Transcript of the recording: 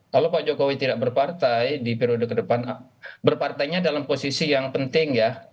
kalau pak jokowi tidak berpartai di periode ke depan berpartainya dalam posisi yang penting ya